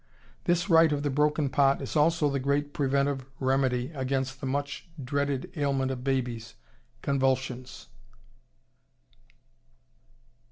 This rite of the broken pot is also the great preventive remedy against the much dreaded ailment of babies, convulsions.